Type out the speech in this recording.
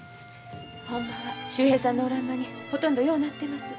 ほんまは秀平さんのおらん間にほとんどようなってます。